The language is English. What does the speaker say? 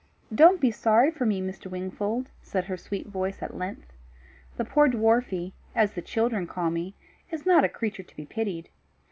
"Don't be sorry for me, Mr. Wingfold," said her sweet voice at length. "The poor dwarfie, as the children call me, is not a creature to be pitied.